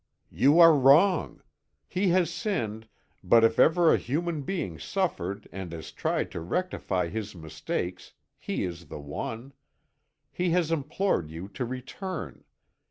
"You are wrong. He has sinned, but if ever a human being suffered and has tried to rectify his mistakes, he is the one. He has implored you to return.